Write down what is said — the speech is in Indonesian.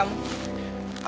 aku mau ngajakin mereka ke sana